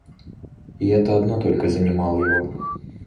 И это одно только занимало его.